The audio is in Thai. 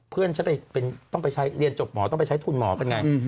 เพื่อนฉันต้องไปใช้เรียนจบหมอต้องไปใช้ทุนหมอกันไง